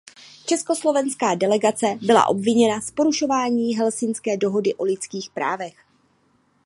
Československá delegace byla obviněna z porušování helsinské dohody o lidských právech.